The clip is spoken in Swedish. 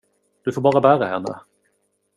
Du får bara bära henne.